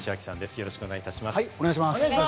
よろしくお願いします。